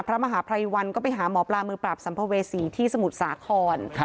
พระมหาภัยวันก็ไปหาหมอปลามือปราบสัมภเวษีที่สมุทรสาคร